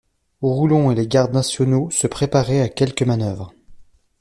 Roulon et les gardes nationaux se préparaient à quelque manœuvre.